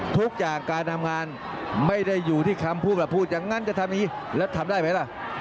ทุกอย่างการทำงานไม่ได้อยู่ที่คำพูดล่ะพูดอย่างนั้นจะทำอย่างนี้แล้วทำได้ไหมล่ะ